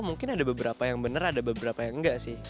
mungkin ada beberapa yang bener ada beberapa yang enggak sih